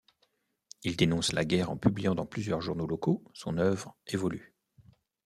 Il dénonce la guerre en publiant dans plusieurs journaux locaux, son œuvre évolue.